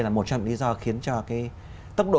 là một trong những lý do khiến cho cái tốc độ